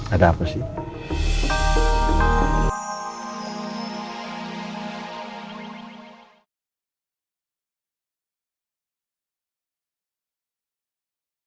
ada apa sih